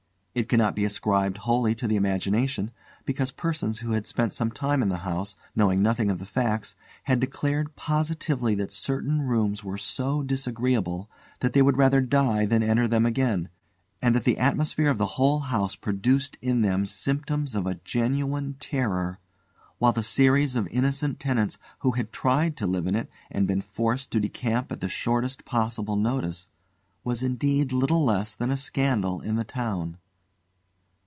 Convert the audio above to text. It cannot be ascribed wholly to the imagination, because persons who had spent some time in the house, knowing nothing of the facts, had declared positively that certain rooms were so disagreeable they would rather die than enter them again, and that the atmosphere of the whole house produced in them symptoms of a genuine terror; while the series of innocent tenants who had tried to live in it and been forced to decamp at the shortest possible notice, was indeed little less than a scandal in the town.